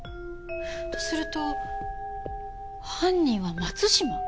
とすると犯人は松島？